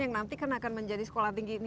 yang nanti akan menjadi sekolah tinggi